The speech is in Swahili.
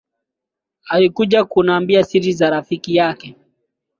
Alikuja kunambia siri za rafiki yake